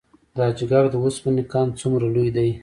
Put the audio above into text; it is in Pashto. د حاجي ګک د وسپنې کان څومره لوی دی؟